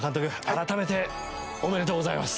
改めておめでとうございます。